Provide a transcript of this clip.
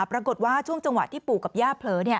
ปรากฏว่าช่วงจังหวะที่ปู่กับย่าเผลอ